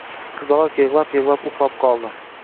Qizaloq yig`lab-yig`lab uxlab qoldi